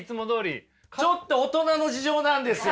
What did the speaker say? ちょっと大人の事情なんですよ。